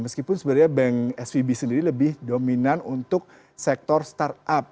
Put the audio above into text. meskipun sebenarnya bank svb sendiri lebih dominan untuk sektor startup